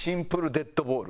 デッドボール！